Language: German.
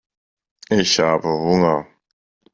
Ich habe Hunger.